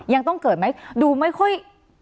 ยังต้องเกิดไหมดูไม่ค่อย